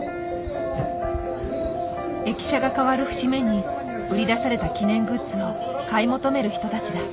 駅舎が変わる節目に売り出された記念グッズを買い求める人たちだ。